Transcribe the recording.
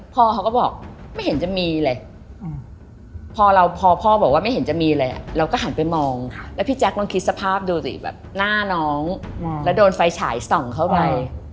พ่อเขาก็บอกไม่เห็นจะมีเลยพอเราพอพ่อบอกว่าไม่เห็นจะมีเลยเราก็หันไปมองแล้วพี่แจ๊คลองคิดสภาพดูสิแบบหน้าน้องแล้วโดนไฟฉายส่องเข้าไป